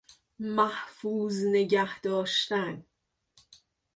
محفوظ نگهداشتن